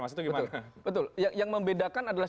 masa itu gimana betul yang membedakan adalah